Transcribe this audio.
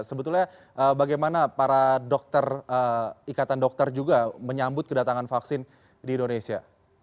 sebetulnya bagaimana para dokter ikatan dokter juga menyambut kedatangan vaksin di indonesia